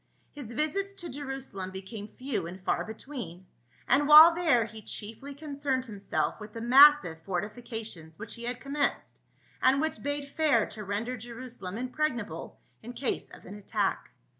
His visits to Jerusalem became few and far between, and while there he chiefly concerned himself with the massive fortifications which he had commenced, and which bade fair to render Jerusalem impregnable in case of an attack.